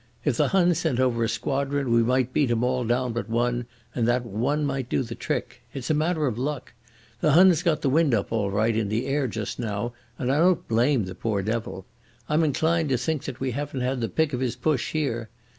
If the Hun sent over a squadron we might beat 'em all down but one, and that one might do the trick. It's a matter of luck. The Hun's got the wind up all right in the air just now and I don't blame the poor devil. I'm inclined to think we haven't had the pick of his push here.